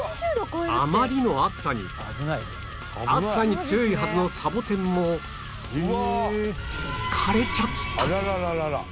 あまりの暑さに暑さに強いはずのサボテンも枯れちゃった